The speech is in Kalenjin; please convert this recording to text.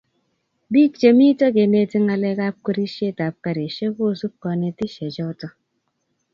biik chemito keneti ngalekab kwerishetab karishek kosup konetishechoto